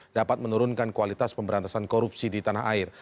dapat menurunkan kualitas pemberantasan korupsi di tanah air